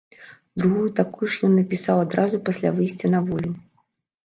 Другую такую ж ён напісаў адразу пасля выйсця на волю.